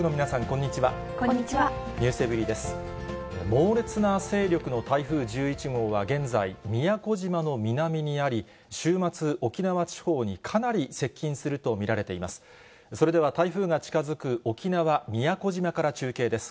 猛烈な勢力の台風１１号は、現在、宮古島の南にあり、週末、沖縄地方にかなり接近すると見られています。